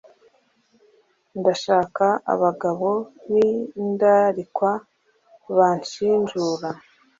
ndashaka abagabo b'indarikwa banshinjura.